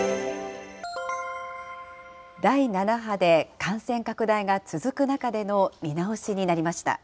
第７波で感染拡大が続く中での見直しになりました。